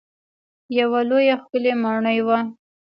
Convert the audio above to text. یوه لویه ښکلې ماڼۍ وه.